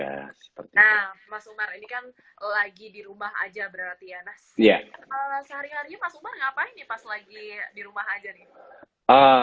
nah mas umar ini kan lagi di rumah aja berarti ya nah sehari harinya mas umar ngapain nih pas lagi di rumah aja nih